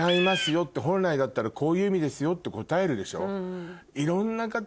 よって本来だったらこういう意味ですよって答えるでしょ？